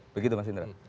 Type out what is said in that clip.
begitu mas indra